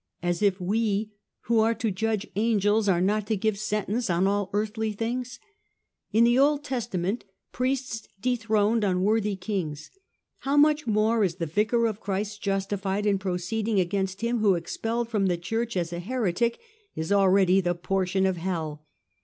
As if we who are to judge angels are not to give sentence on all earthly things ! In the Old Testament priests dethroned unworthy Kings : how much more is the Vicar of Christ justified in proceeding against him who, expelled from the Church as a heretic, is already the portion of hell.